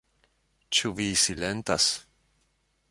Ĉu vi silentas?